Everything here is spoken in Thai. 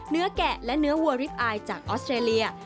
เนื้อแกะและเนื้อวัวลิฟท์ไอด์จากออสเตรเลีย